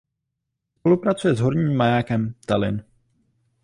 Spolupracuje s Horním majákem Tallinn.